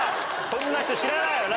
こんな人知らないよな。